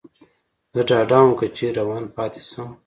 زه ډاډه ووم، که چېرې روان پاتې شم.